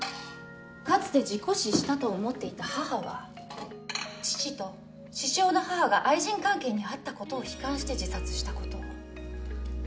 かつて事故死したと思っていた母は父と獅子雄の母が愛人関係にあったことを悲観して自殺したことを。